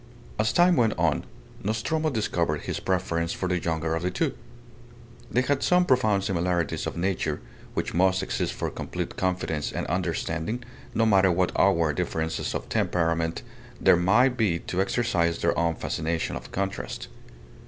As time went on, Nostromo discovered his preference for the younger of the two. They had some profound similarities of nature, which must exist for complete confidence and understanding, no matter what outward differences of temperament there may be to exercise their own fascination of contrast.